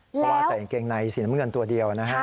เพราะว่าใส่กางเกงในสีเหนือเมือนตัวเดียวนะครับ